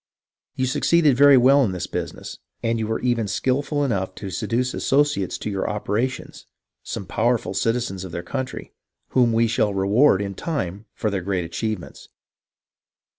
You succeeded very well in this business, and you were even skilful enough to seduce associates to your operations, some powerful citi zens of their country, whom we shall reward in time for their great achievements.